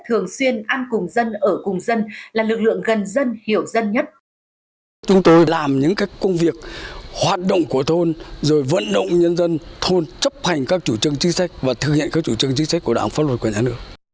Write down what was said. thường xuyên ăn cùng dân ở cùng dân là lực lượng gần dân hiểu dân nhất